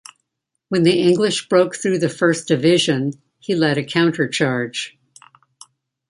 When the English broke through the first division, he led a countercharge.